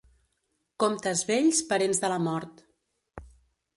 Comptes vells, parents de la mort.